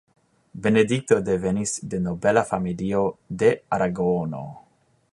Benedikto devenis de nobela familio de Aragono.